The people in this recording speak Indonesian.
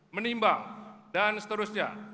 menimbang dan seterusnya